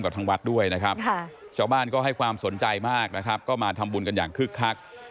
กับทางวัดด้วยนะครับชาวบ้านก็ให้ความสนใจมากนะครับก็มาทำบุญกันอย่างคึกคัก